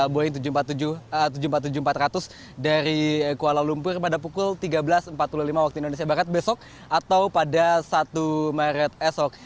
boeing tujuh ratus tujuh empat puluh tujuh empat ratus dari kuala lumpur pada pukul tiga belas empat puluh lima waktu indonesia barat besok atau pada satu maret esok